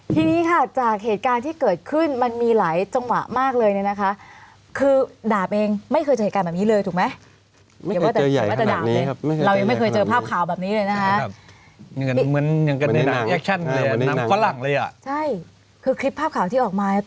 ทีนี้ค่ะจากเหตุการณ์ที่เกิดขึ้นมันมีหลายจังหวะมากเลยเนี่ยนะคะคือดาบเองไม่เคยเจอเหตุการณ์แบบนี้เลยถูกไหม